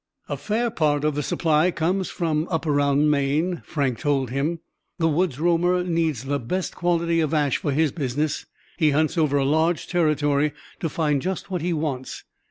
"A fair part of the supply comes from up around Maine," Frank told him. "The woods roamer needs the best quality of ash for his business. He hunts over a large territory to find just what he wants.